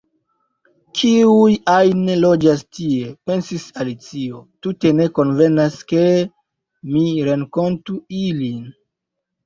"Kiuj ajn loĝas tie," pensis Alicio, "tute ne konvenas, ke mi renkontu ilin.